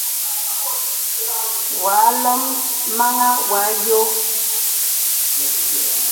Wà àlôm màŋhàŋ wà ādio.